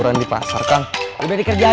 nasib baik sama berapa